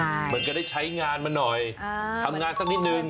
เหมือนกับได้ใช้งานมาหน่อยทำงานสักนิดนึง